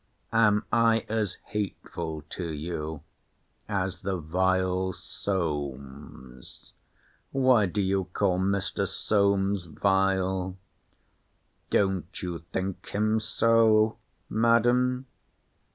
Am I as hateful to you as the vile Solmes? Why do you call Mr. Solmes vile? Don't you think him so, Madam?